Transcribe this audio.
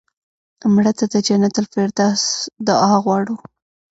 مړه ته د جنت الفردوس دعا غواړو